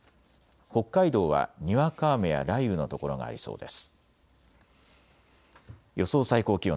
北海道は、にわか雨や雷雨の所がありそうです。